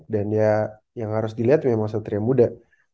dan ya yang harus dilihat memang satria muda